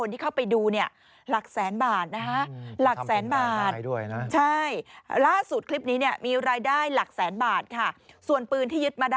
โหโหโหโหโหโหโหโหโหโหโหโหโห